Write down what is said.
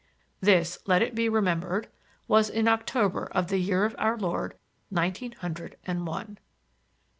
This, let it be remembered, was in October of the year of our Lord, nineteen hundred and one.